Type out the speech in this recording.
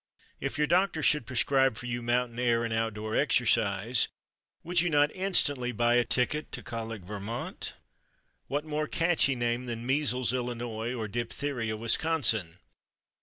If your doctor should prescribe for you mountain air and outdoor exercise would you not instantly buy a ticket to Colic, Vermont? What more catchy name than Measles, Illinois, or Diphtheria, Wisconsin?